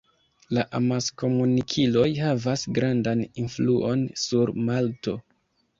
La amaskomunikiloj havas grandan influon sur Malto.